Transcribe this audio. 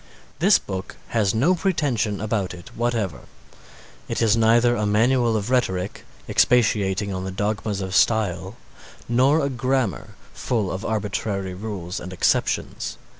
This book has no pretension about it whatever, it is neither a Manual of Rhetoric, expatiating on the dogmas of style, nor a Grammar full of arbitrary rules and exceptions.